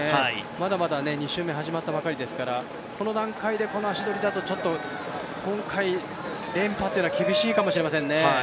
まだまだ２周目始まったばかりですからこの段階でこの足取りだとちょっと今回、連覇っていうのは厳しいかもしれないですね。